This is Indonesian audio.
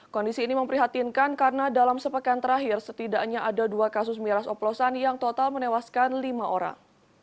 kondisi ini memprihatinkan karena dalam sepekan terakhir setidaknya ada dua kasus miras oplosan yang total menewaskan lima orang